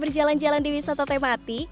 berjalan jalan di wisata temati